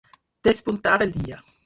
Despuntar el dia.